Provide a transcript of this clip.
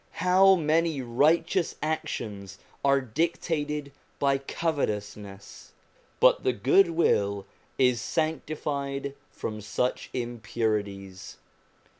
How many righteous actions are dictated by covetousness ! But the good will is sanctified from such impurities.